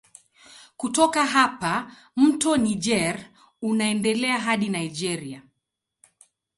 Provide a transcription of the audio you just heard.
Kutoka hapa mto Niger unaendelea hadi Nigeria.